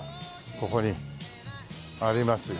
ここにありますよ